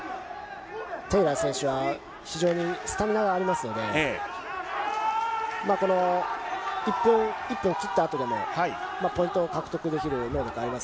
テイラー選手は非常にスタミナがありますので、この１分を切ったあとでも、ポイントを獲得できる能力あります。